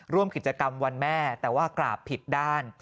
ร่วมกิจกรรมวันแม่แต่ว่ากราบผิดด้าน